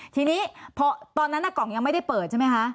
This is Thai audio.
ทีนี้พอตอนนั้นกล่องยังไม่ได้เปิดใช่ไหมคะ